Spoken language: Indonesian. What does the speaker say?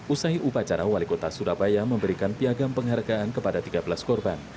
usai upacara wali kota surabaya memberikan piagam penghargaan kepada tiga belas korban